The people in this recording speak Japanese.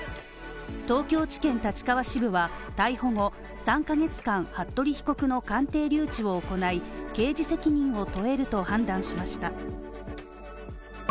東京地検立川支部は、逮捕後、３カ月間服部被告の鑑定留置を行い、刑事責任を問えると判断しました。